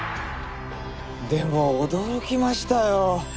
でも驚きましたよ。